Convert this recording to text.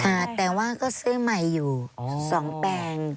แต่ว่าก็ซื้อใหม่อยู่สองแปลง